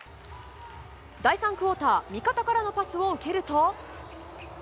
第３クオーター、味方からのパスを受けると。